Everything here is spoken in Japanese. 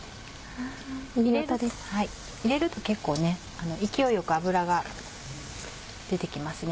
入れると結構勢いよく油が出て来ますね。